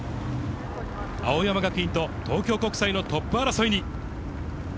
青山学院と東京国際のトップ争いに。